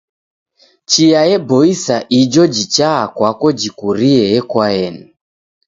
Chia eboisa ijo jichaa kwako jikurie ekoaeni.